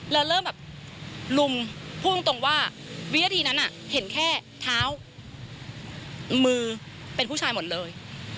แล้วเริ่มแบบลุงพูดตรงว่าวินาทีนั้นเห็นแค่เท้ามือเป็นผู้ชายหมดเลย